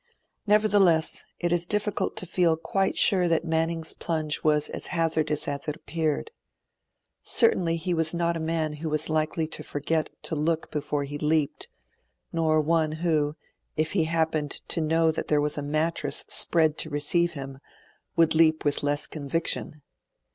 Nevertheless it is difficult to feel quite sure that Manning's plunge was as hazardous as it appeared. Certainly he was not a man who was likely to forget to look before he leaped, nor one who, if he happened to know that there was a mattress spread to receive him, would leap with less conviction.